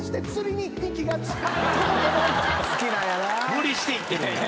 無理して行ってるんや。